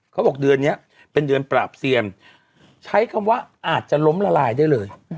เขาบอกเดือนนี้เป็นเดือนปราบเซียมใช้คำว่าอาจจะล้มละลายได้เลย